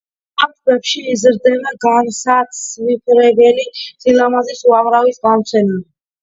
ამ ტბებში იზრდება განსაცვიფრებელი სილამაზის უამრავი წყალმცენარე.